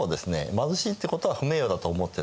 貧しいってことは不名誉だと思ってない。